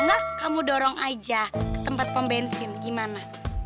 enggak kamu dorong aja ke tempat pembensin gimana